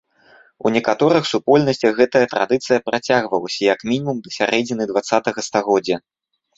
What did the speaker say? У некаторых супольнасцях гэтая традыцыя працягвалася як мінімум да сярэдзіны дваццатага стагоддзя.